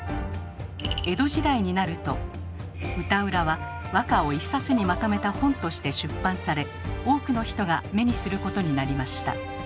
江戸時代になると歌占は和歌を一冊にまとめた本として出版され多くの人が目にすることになりました。